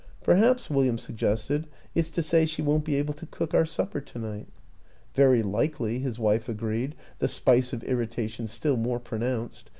"" Perhaps," William suggested, " it's to say she won't be able to cook our supper to night?" " Very likely," his wife agreed, the spice of irritation still more pronounced.